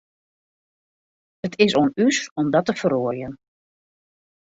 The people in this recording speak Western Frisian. It is oan ús om dat te feroarjen.